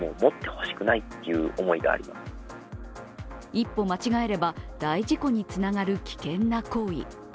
一歩間違えれば大事故につながる危険な行為。